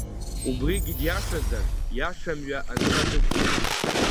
Убригьы, диашазар, иаша мҩа анцәа дықәҵа.